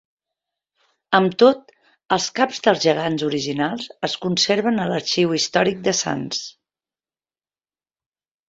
Amb tot, els caps dels gegants originals es conserven a l’Arxiu Històric de Sants.